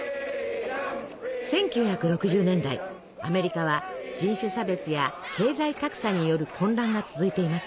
１９６０年代アメリカは人種差別や経済格差による混乱が続いていました。